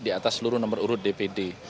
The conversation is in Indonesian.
di atas seluruh nomor urut dpd